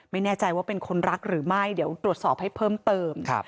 ไม่แน่ใจว่าเป็นคนรักหรือไม่เดี๋ยวตรวจสอบให้เพิ่มเติม